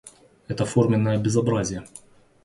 Это форменное безобразие.